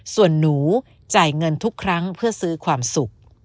ส่วนหนูจ่ายเงินทุกครั้งเพื่อซื้อความสุข